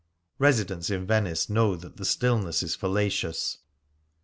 Residents in Venice know that the stillness is fallacious.